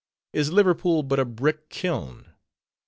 is Liverpool but a brick kiln?